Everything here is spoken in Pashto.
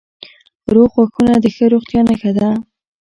روغ غاښونه د ښه روغتیا نښه ده.